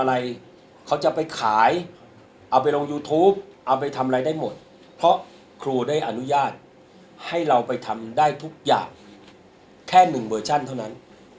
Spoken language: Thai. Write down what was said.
อะไรเขาจะไปขายเอาไปลงยูทูปเอาไปทำอะไรได้หมดเพราะครูได้อนุญาตให้เราไปทำได้ทุกอย่างแค่หนึ่งเวอร์ชั่นเท่านั้น